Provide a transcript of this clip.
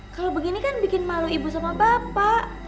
kalau begini kan bikin malu ibu sama bapak